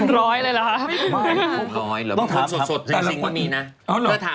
ร้อยอะไรละ